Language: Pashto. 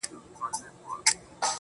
دا چي د سونډو د خـندا لـه دره ولـويــږي~